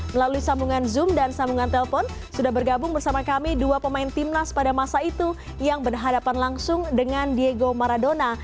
melalui sambungan zoom dan sambungan telpon sudah bergabung bersama kami dua pemain timnas pada masa itu yang berhadapan langsung dengan diego maradona